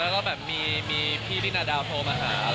แล้วก็แบบมีพี่ที่นาดาวโทรมาหา